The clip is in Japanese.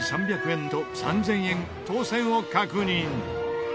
３００円と３０００円当せんを確認。